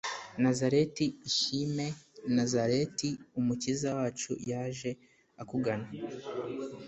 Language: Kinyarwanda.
nazareti ishime, nazareti, umukiza wacu yaje akugana